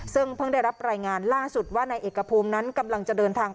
ซึ่งเพิ่งได้รับรายงานล่าสุดว่านายเอกภูมินั้นกำลังจะเดินทาง